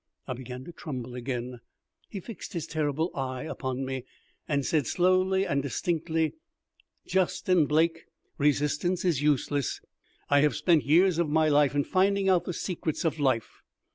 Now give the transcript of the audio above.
I began to tremble again. He fixed his terrible eye upon me, and said slowly and distinctly, "Justin Blake, resistance is useless. I have spent years of my life in finding out the secrets of life.